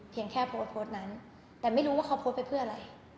แค่โพสต์โพสต์นั้นแต่ไม่รู้ว่าเขาโพสต์ไปเพื่ออะไร